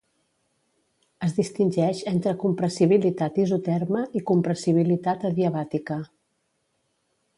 Es distingeix entre compressibilitat isoterma i compressibilitat adiabàtica.